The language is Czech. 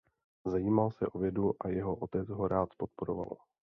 Zajímal se o vědu a jeho otec ho rád podporoval.